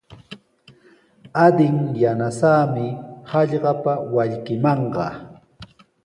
Adin yanasaami hallqapa wallkimanqa.